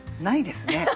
ないですね。